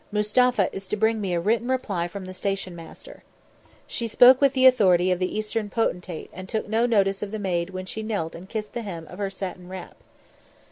Mustapha is to bring me a written reply from the station master." She spoke with the authority of the Eastern potentate and took no notice of the maid when she knelt and kissed the hem of her satin wrap.